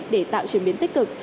để tạo chuyển biến tích cực